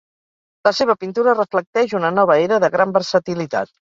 La seva pintura reflecteix una nova era de gran versatilitat.